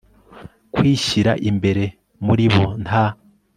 kwishyira imbere i muri bo nta